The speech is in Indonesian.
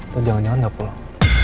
lo jangan jangan gak pulang